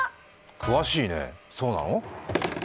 詳しいね、そうなの？